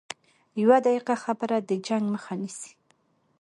یوه دقیقه خبره د جنګ مخه نیسي